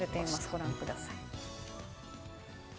ご覧ください。